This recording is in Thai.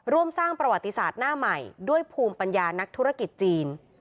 ร่วมสร้างประวัติศาสตร์หน้าใหม่ด้วยภูมิปัญญานักธุรกิจจีน